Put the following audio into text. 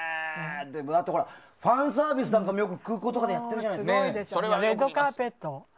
ファンサービスとかも空港とかでやってるじゃないですか。